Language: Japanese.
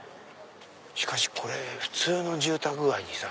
しかしこれ普通の住宅街にさ。